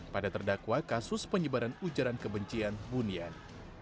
pada terdakwa kasus penyebaran ujaran kebencian bunian